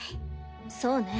そうね。